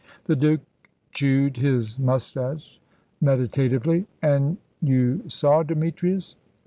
The Duke chewed his moustache meditatively. "An' you saw Demetrius?"